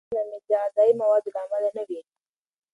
ځینې وختونه میل د غذايي موادو له امله نه وي.